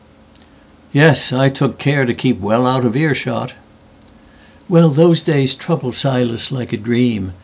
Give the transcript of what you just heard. "Yes, I took care to keep well out of earshot.""Well, those days trouble Silas like a dream.